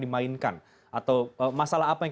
dimainkan atau masalah apa yang